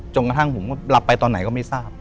กระทั่งผมก็หลับไปตอนไหนก็ไม่ทราบ